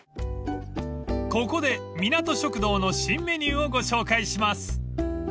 ［ここでみなと食堂の新メニューをご紹介します］